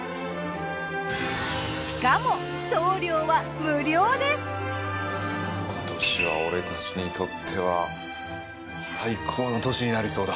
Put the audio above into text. しかも今年は俺たちにとっては最高の年になりそうだ。